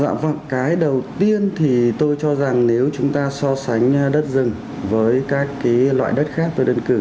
vâng cái đầu tiên thì tôi cho rằng nếu chúng ta so sánh đất rừng với các cái loại đất khác về đơn cử